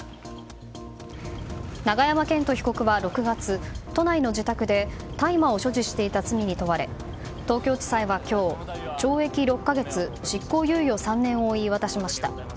永山絢斗被告は６月都内の自宅で大麻を所持していた罪に問われ東京地裁は今日懲役６か月、執行猶予３年を言い渡しました。